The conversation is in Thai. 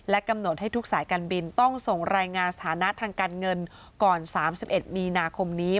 กำหนดให้ทุกสายการบินต้องส่งรายงานสถานะทางการเงินก่อน๓๑มีนาคมนี้